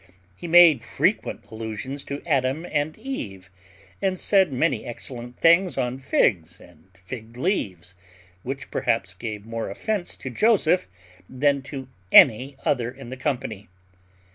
He made frequent allusions to Adam and Eve, and said many excellent things on figs and fig leaves; which perhaps gave more offence to Joseph than to any other in the company.